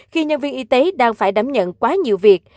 khi nhân viên y tế đang phải đảm nhận quá nhiều việc